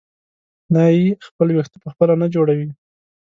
نایي خپل وېښته په خپله نه جوړوي.